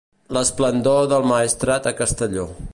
L'esplendor del Maestrat a Castelló.